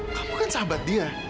kamu kan sahabat dia